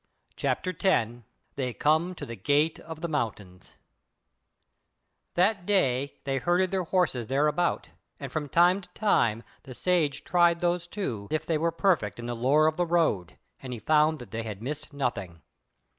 CHAPTER 10 They Come to the Gate of the Mountains That day they herded their horses thereabout, and from time to time the Sage tried those two if they were perfect in the lore of the road; and he found that they had missed nothing.